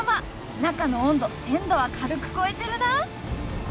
中の温度１，０００度は軽く超えてるな！